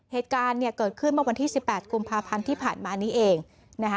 เหตุการณ์เนี่ยเกิดขึ้นเมื่อวันที่สิบแปดกุมภาพันธ์ที่ผ่านมานี้เองนะคะ